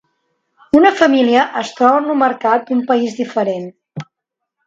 Una família es troba en un mercat d'un país diferent.